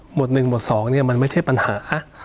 หมวด๑หมวด๒มันไม่ใช่ปัญหา